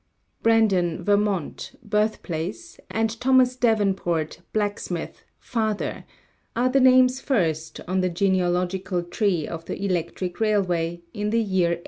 Brandon, Vt., birthplace, and Thomas Davenport, black smith, father, are the names first on the genealogical tree of the electric railway, in the year 1834.